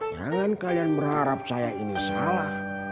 jangan kalian berharap saya ini salah